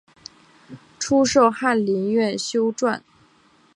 初授翰林院修撰。